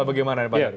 bagaimana pak darul